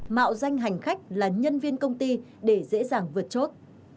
mạo danh hành khách là nhân viên công ty để dễ dàng vượt chốt